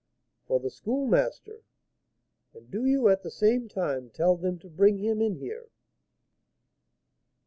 "For the Schoolmaster. And do you, at the same time, tell them to bring him in here."